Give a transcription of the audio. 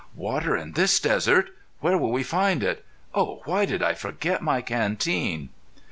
"Water in this desert! Where will we find it? Oh! why, did I forget my canteen!"